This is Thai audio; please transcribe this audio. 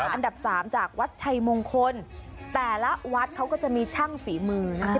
อันดับสามจากวัดชัยมงคลแต่ละวัดเขาก็จะมีช่างฝีมือนะคะ